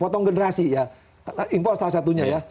potong generasi ya impor salah satunya ya